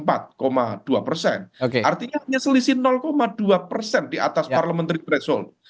artinya hanya selisih dua persen di atas parliamentary threshold